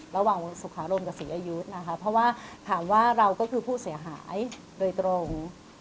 ระหว่างสุขารมกับศรีอายุนะคะเพราะว่าถามว่าเราก็คือผู้เสียหายโดยตรง